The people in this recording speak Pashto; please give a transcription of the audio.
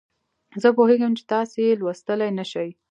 زه پوهیږم چې تاسې یې لوستلای نه شئ.